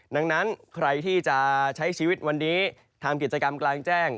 ดังนั้นใครที่จะใช้ชีวิตวันนี้ทำกิจกรรมกลางแจ้ง